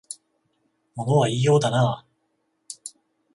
物は言いようだなあ